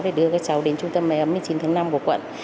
để đưa các cháu đến trung tâm máy ấm mươi chín tháng năm của quận